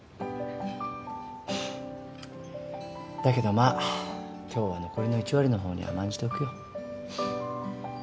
だけどまあ今日は残りの１割の方に甘んじておくよ。